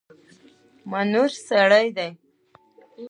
منور سړی دی.